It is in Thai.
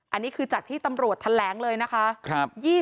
อันนี้คือจากที่ตำรวจแถลงเลยนะคะ